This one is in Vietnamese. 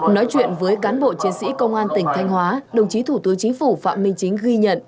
nói chuyện với cán bộ chiến sĩ công an tỉnh thanh hóa đồng chí thủ tướng chính phủ phạm minh chính ghi nhận